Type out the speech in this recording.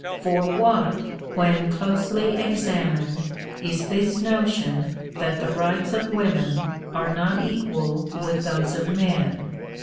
For what, when closely examined, is this notion that the rights of women are not equal with those of men